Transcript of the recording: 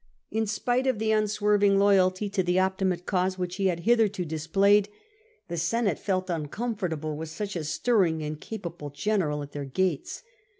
In spite of the unswerving loyalty to the Optimate cause which he had hitherto displayed, the Senate felt uncomfortable with such a stirring and capable general at their gates.